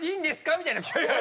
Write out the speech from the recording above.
みたいな。